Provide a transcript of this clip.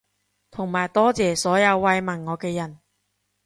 同埋多謝所有慰問我嘅人